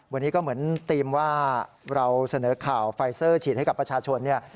วันนี้ก็เหมือนธีมว่าเราเสนอข่าวไฟเซอร์ฉีดให้กับประชาชนเนี่ย